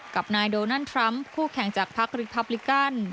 กับนายโดนัลดทรัมป์คู่แข่งจากพักริพับลิกัน